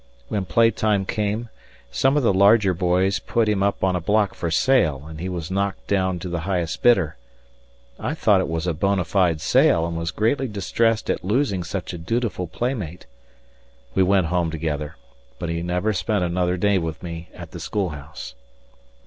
When playtime came, some of the larger boys put him up on a block for sale and he was knocked down to the highest bidder. I thought it was a bona fide sale and was greatly distressed at losing such a dutiful playmate. We went home together, but he never spent another day with me at the schoolhouse.